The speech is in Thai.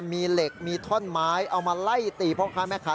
มีเหล็กมีท่อนไม้เอามาไล่ตีพ่อค้าแม่ค้า